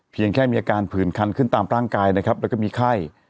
แค่มีอาการผื่นคันขึ้นตามร่างกายนะครับแล้วก็มีไข้